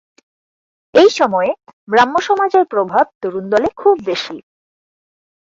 এই সময়ে ব্রাহ্ম-সমাজের প্রভাব তরুণ দলে খুব বেশি।